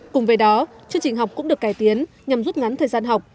cùng với đó chương trình học cũng được cải tiến nhằm rút ngắn thời gian học